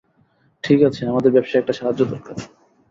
ঠিক আছে, আমাদের ব্যবসায়ে একটা সাহায্য দরকার।